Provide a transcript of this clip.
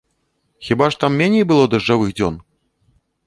Хіба ж там меней было дажджавых дзён?